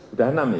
udah enam pak